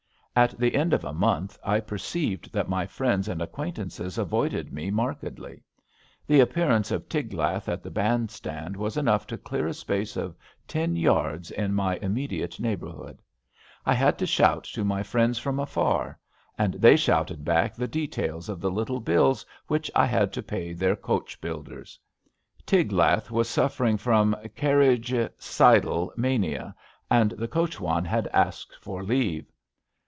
At the end of a month I perceived that my friends and acquaintances avoided me markedly. The appearance of Tiglath at the band stand was enough to clear a space of ten yards in my im mediate neighbourhood. I had to shout to my friends from afar, and they shouted back the de tails of the little bills which I had to pay their coach builders. Tiglath was suffering from car riagecidal mania, and the coachwan had asked for leave.